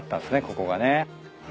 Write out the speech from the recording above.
ここがね。